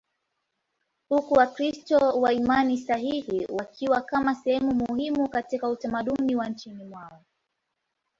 huku Wakristo wa imani sahihi wakiwa kama sehemu muhimu katika utamaduni wa nchini mwao.